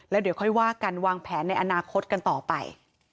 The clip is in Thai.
แล้วเดี๋ยวค่อยว่ากันวางแผนในอนาคตกันต่อไป